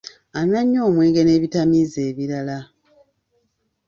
Anywa nnyo omwenge n'ebitamiiza ebirala.